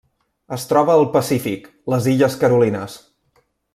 Es troba al Pacífic: les illes Carolines.